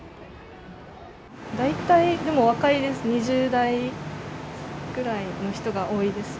大体でも若いです、２０代ぐらいの人が多いです。